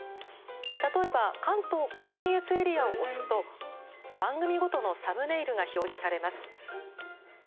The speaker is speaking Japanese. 例えば「関東甲信越エリア」を押すと、番組ごとのサムネイルが表示されます。